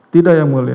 tidak ya mulia